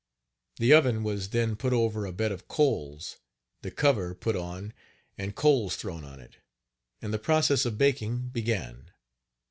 The oven was then put over a bed of coals, the cover put on and coals thrown on it, and the process of baking began.